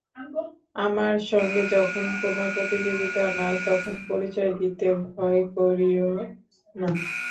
আমার সঙ্গে যখন কোনো প্রতিযোগিতা নাই তখন পরিচয় দিতে ভয় করিয়ো না।